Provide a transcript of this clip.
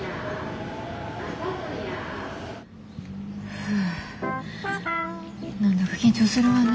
ふ何だか緊張するわね。